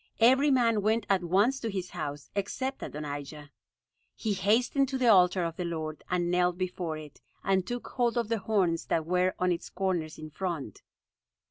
Every man went at once to his house, except Adonijah. He hastened to the altar of the Lord, and knelt before it, and took hold of the horns that were on its corners in front.